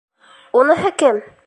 Уныһы кем?